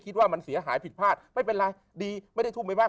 คิดว่ามันเสียหายผิดพลาดไม่เป็นไรดีไม่ได้ทุ่มไม่มาก